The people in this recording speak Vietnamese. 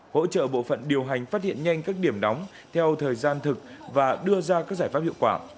hỗ trợ bộ phận điều hành phát hiện nhanh các điểm đóng theo thời gian thực và đưa ra các giải pháp hiệu quả